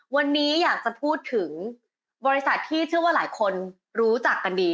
วันนี้อยากจะพูดถึงบริษัทที่เชื่อว่าหลายคนรู้จักกันดี